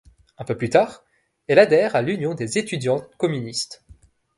Un peu plus tard, elle adhère à l'Union des étudiants communistes.